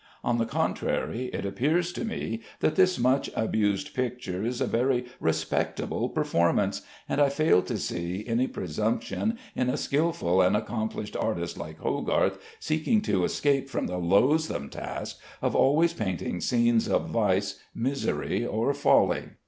On the contrary, it appears to me that this much abused picture is a very respectable performance, and I fail to see any presumption in a skilful and accomplished artist like Hogarth seeking to escape from the loathsome task of always painting scenes of vice, misery, or folly.